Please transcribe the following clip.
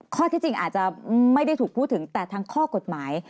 ข้อที่จริงอาจจะไม่ได้ถูกพูดถึงแต่ทั้งข้อกฎหมาย